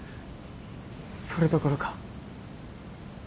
それどころか。